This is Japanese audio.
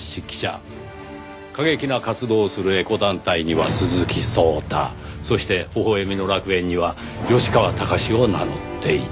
過激な活動をするエコ団体には鈴木聡太そして微笑みの楽園には吉川崇を名乗っていた。